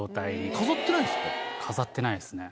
飾ってないんすか？